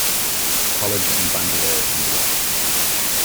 College in Bangalore, India.